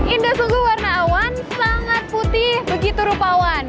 indah sungguh warna awan sangat putih begitu rupawan